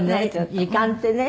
時間ってね。